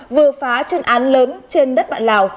vừa phá chuyên án lớn trên đất bạn lào